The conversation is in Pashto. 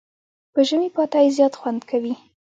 په ژمي پاتی زیات خوند کوي.